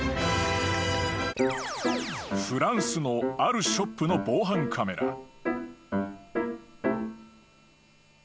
［フランスのあるショップの防犯カメラ］